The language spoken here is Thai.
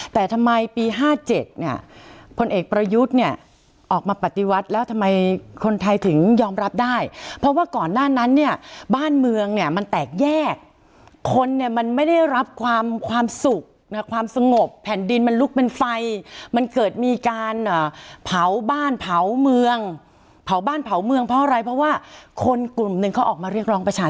แต่ทำไมปี๕๗เนี่ยพลเอกประยุทธ์เนี่ยออกมาปฏิวัติแล้วทำไมคนไทยถึงยอมรับได้เพราะว่าก่อนหน้านั้นเนี่ยบ้านเมืองเนี่ยมันแตกแยกคนเนี่ยมันไม่ได้รับความความสุขนะความสงบแผ่นดินมันลุกเป็นไฟมันเกิดมีการเผาบ้านเผาเมืองเผาบ้านเผาเมืองเพราะอะไรเพราะว่าคนกลุ่มหนึ่งเขาออกมาเรียกร้องประชา